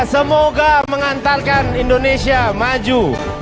semoga mengantarkan indonesia maju